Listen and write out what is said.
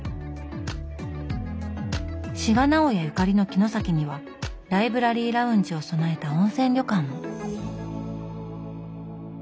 志賀直哉ゆかりの城崎にはライブラリーラウンジを備えた温泉旅館も。